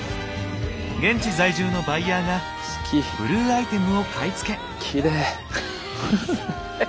現地在住のバイヤーがブルーアイテムを買い付け！